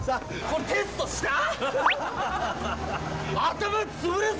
これテストした？